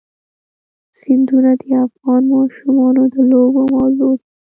سیندونه د افغان ماشومانو د لوبو موضوع ده.